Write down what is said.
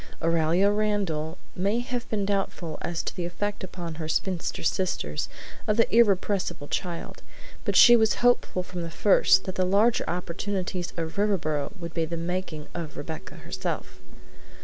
Aurelia Randall may have been doubtful as to the effect upon her spinster sisters of the irrepressible child, but she was hopeful from the first that the larger opportunities of Riverboro would be the "making" of Rebecca herself.